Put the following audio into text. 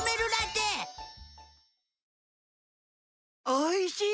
おいしい！